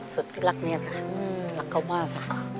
สุดรักเนี่ยค่ะรักเขามากค่ะ